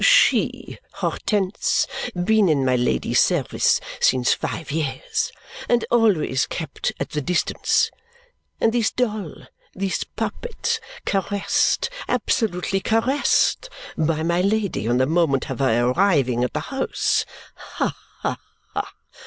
She, Hortense, been in my Lady's service since five years and always kept at the distance, and this doll, this puppet, caressed absolutely caressed by my Lady on the moment of her arriving at the house! Ha, ha, ha!